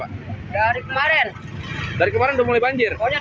oh tadi pagi sudah mulai banjir